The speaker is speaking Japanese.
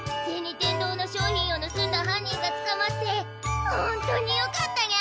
天堂の商品をぬすんだ犯人がつかまってホントによかったにゃ！